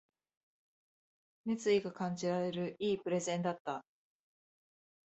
熱意が感じられる良いプレゼンだった